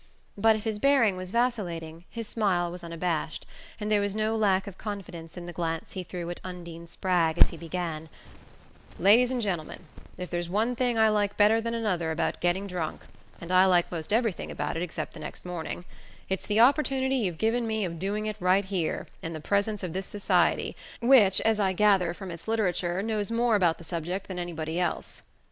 But if his bearing was vacillating his smile was unabashed, and there was no lack of confidence in the glance he threw at Undine Spragg as he began: "Ladies and Gentlemen, if there's one thing I like better than another about getting drunk and I like most everything about it except the next morning it's the opportunity you've given me of doing it right here, in the presence of this Society, which, as I gather from its literature, knows more about the subject than anybody else.